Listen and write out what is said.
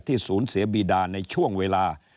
ศูนย์เสียบีดาในช่วงเวลา